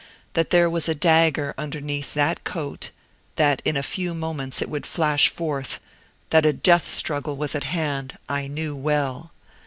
That there was a dagger underneath that coat that in a few moments it would flash forth that a death struggle was at hand, I knew well.